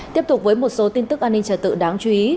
tiếp tục với một số tin tức an ninh trở tự đáng chú ý